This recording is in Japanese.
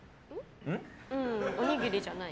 ううん、おにぎりじゃない。